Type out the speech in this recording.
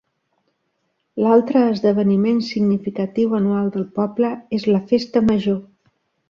L'altre esdeveniment significatiu anual del poble és la festa major.